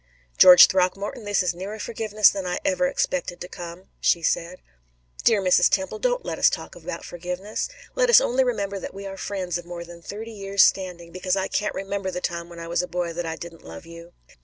"George Throckmorton, this is nearer forgiveness than I ever expected to come," she said. "Dear Mrs. Temple, don't let us talk about forgiveness. Let us only remember that we are friends of more than thirty years' standing because I can't remember the time when I was a boy that I didn't love you."